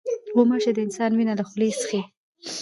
غوماشې د انسان وینه له خولې څښي.